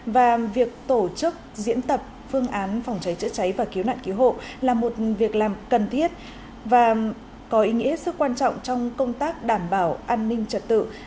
và việc tổ chức diễn tập phương án phòng cháy chữa cháy và cứu nạn cứu hộ là một việc làm cần thiết và có ý nghĩa hết sức quan trọng trong công tác đảm bảo an ninh trật tự